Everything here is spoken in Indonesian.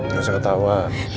gak usah ketawa